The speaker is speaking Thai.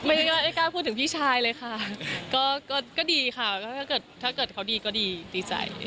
ไม่กล้าพูดถึงพี่ชายเลยค่ะก็ดีค่ะถ้าเกิดถ้าเกิดเขาดีก็ดีดีใจ